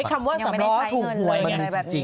คำว่าสำน้อยถูกหวยเหมือนกับอะไรแบบนี้